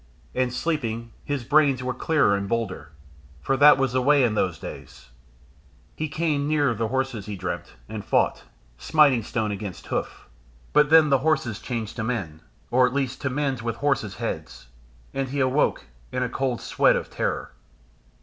And sleeping, his brains were clearer and bolder for that was the way in those days. He came near the horses, he dreamt, and fought, smiting stone against hoof, but then the horses changed to men, or, at least, to men with horses' heads, and he awoke in a cold sweat of terror.